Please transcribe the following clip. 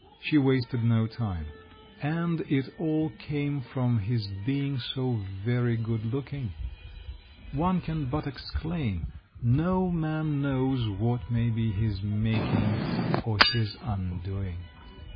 She wasted no time. And it all came from his being so very good looking! One can but exclaim, No man knows what may be his making or his undoing!